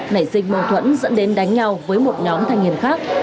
nảy sinh mâu thuẫn dẫn đến đánh nhau với một nhóm thanh niên khác